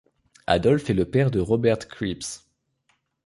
Adolphe est le père de Robert Krieps.